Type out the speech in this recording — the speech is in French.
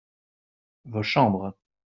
vos chambres.